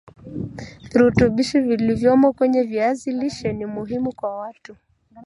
virutubishi vilivyomo kwenye viazi lishe ni muhimu kwa watu